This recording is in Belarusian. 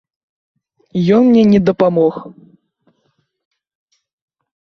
Ён мне не дапамог.